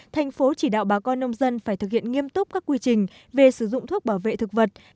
thành phố chỉ đạo bà con nông dân phải thực hiện nghiêm túc các quy trình về sử dụng thuốc bảo vệ thực vật